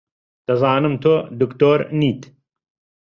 دەزانم تۆ دکتۆر نیت.